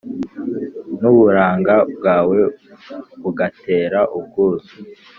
n’uburanga bwawe bugatera ubwuzu!»